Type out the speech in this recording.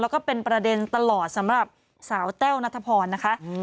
แล้วก็เป็นประเด็นตลอดสำหรับสาวแต้วนัทพรนะคะ